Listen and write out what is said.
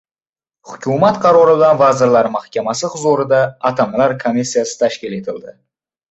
Hukumat qarori bilan Vazirlar Mahkamasi huzurida Atamalar komissiyasi tashkil etildi.